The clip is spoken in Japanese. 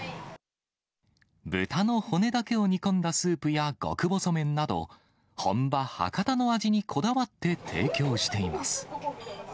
豚の骨だけを煮込んだスープや、極細麺など、本場博多の味にこだわって提供しています。